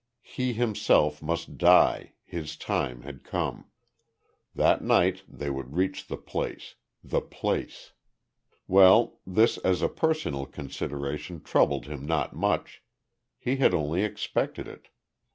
He himself must die, his time had come. That night they would reach the place the place. Well, this as a personal consideration troubled him not much, he had only expected it.